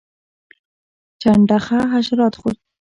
چنډخه حشرات خوري